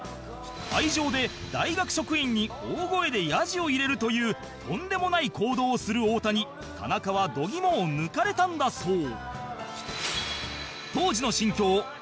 会場で大学職員に大声で野次を入れるというとんでもない行動をする太田に田中は度肝を抜かれたんだそう